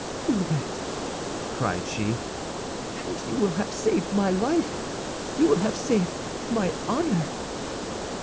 "Do that," cried she, "and you will have saved my life, you will have saved my honor!"